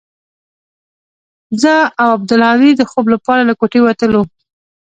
زه او عبدالهادي د خوب لپاره له كوټې وتلو.